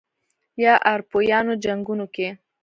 یا اروپايانو جنګونو کې